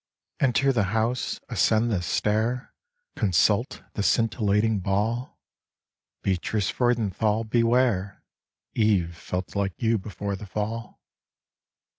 Enter the house, ascend the stair ! Consult the scintillating ball. Beatrice Freudenthal, beware ! Eve felt like you before the Fall.